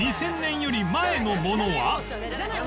２０００年より前のもの。